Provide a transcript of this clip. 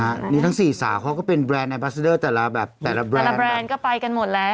ครับนี่ทั้ง๔สาวเขาก็เป็นแบรนด์แบรนด์ก็ไปกันหมดแล้ว